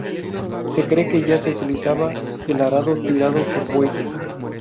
Se cree que ya se utilizaba el arado tirado por bueyes.